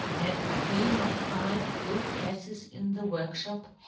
Have we not " five good prefTes in the workfhop